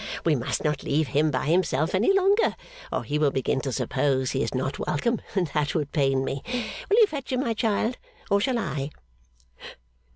We must not leave him by himself any longer, or he will begin to suppose he is not welcome, and that would pain me. Will you fetch him, my child, or shall I?